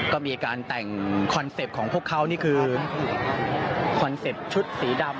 ก็มีการแต่งคอนเซ็ปต์ของพวกเขานี่คือคอนเซ็ปต์ชุดสีดำ